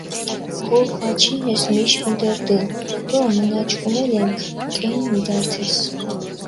გურქ ვაჩინეს მიში ჸუდე რდჷნი, დო მჷნაჩქუმელენქ კჷნი მიდართეს.